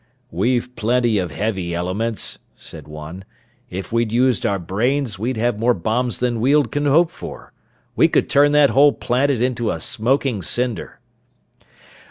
"We've plenty of heavy elements," said one. "If we'd used our brains, we'd have more bombs than Weald can hope for! We could turn that whole planet into a smoking cinder!"